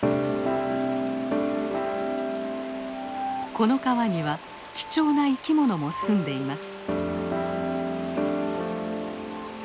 この川には貴重な生きものもすんでいます。